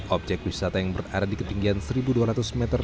objek wisata yang berada di ketinggian satu dua ratus meter